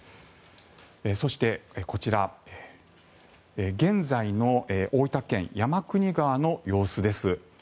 そして、こちら、現在の大分県・山国川の様子です。